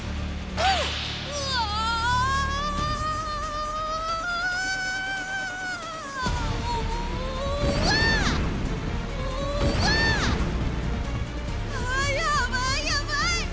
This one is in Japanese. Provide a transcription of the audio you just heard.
ああやばいやばい！